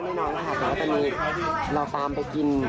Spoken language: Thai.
เดี๋ยวนี้เราตามไปกิน